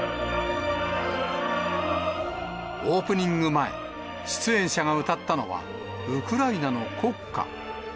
オープニング前、出演者が歌ったのは、ウクライナの国歌。